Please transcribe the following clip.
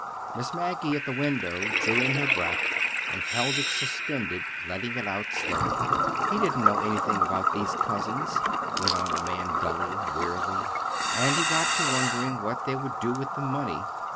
Miss Maggie at the window drew in her breath, and held it suspended, letting it out slowly. "He didn't know anything about these cousins," went on the man dully, wearily, "and he got to wondering what they would do with the money.